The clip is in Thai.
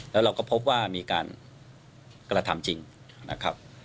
แล้วเราก็พบว่ามีการกระทำจริงนะครับ